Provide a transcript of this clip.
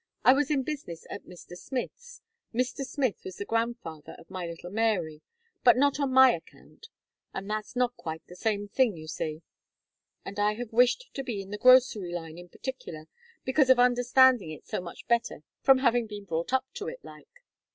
I was in business at Mr. Smith's, Mr. Smith was the grandfather of my little Mary, but not on my account; and that's not quite the same thing, you see. And I have wished to be in the grocery line, in particular, because of understanding it so much better, from having been brought up to it, like.